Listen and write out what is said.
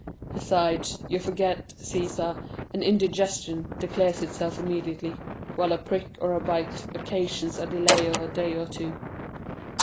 Besides, you forget, Cæsar, an indigestion declares itself immediately, while a prick or a bite occasions a delay of a day or two.